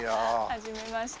はじめまして。